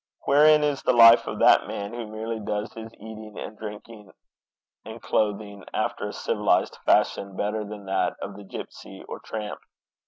Wherein is the life of that man who merely does his eating and drinking and clothing after a civilized fashion better than that of the gipsy or tramp?